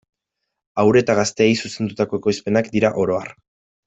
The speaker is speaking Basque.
Haur eta gazteei zuzendutako ekoizpenak dira oro har.